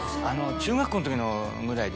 中学校のときぐらいで。